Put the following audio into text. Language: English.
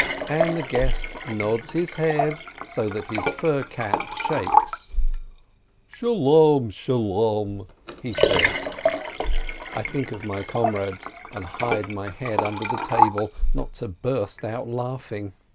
and the guest nods his head so that his fur cap shakes. "Shalom ! Shalom !" he says. I think of my comrades, and hide my head under the table, not to burst out laughing.